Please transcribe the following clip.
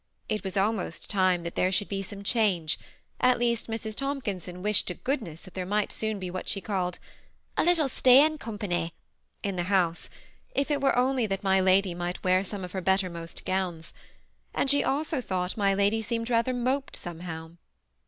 It was almost time that there should be some change, at least Mrs. Tom kinson wished to goodness there might soon be what she called " a little staying company " in the house, if it were only that my lady might wear some of her better most gowns ; and she also thought my lady seemed rather moped somehow.